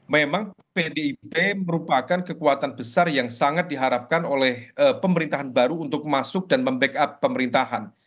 memang pdip merupakan kekuatan besar yang sangat diharapkan oleh pemerintahan baru untuk masuk dan membackup pemerintahan